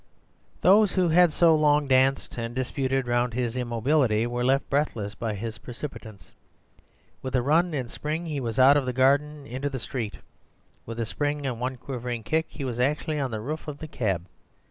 Those who had so long danced and disputed round his immobility were left breathless by his precipitance. With a run and spring he was out of the garden into the street; with a spring and one quivering kick he was actually on the roof of the cab.